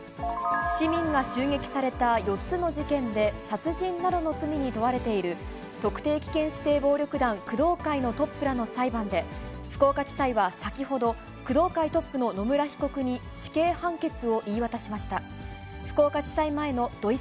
市民が襲撃された４つの事件で、殺人などの罪に問われている、特定危険指定暴力団工藤会のトップらの裁判で、福岡地裁は先ほど、工藤会トップの野村被告に死刑判決を言い渡しました。